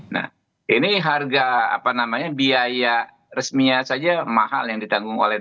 nah ini harga apa namanya biaya resminya saja mahal yang ditanggung oleh